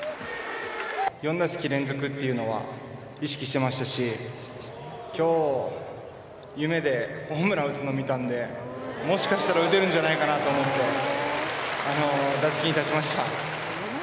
４打席連続っていうのは、意識してましたし、きょう、夢でホームラン打つの見たんで、もしかしたら打てるんじゃないかなと思って、打席に立ちました。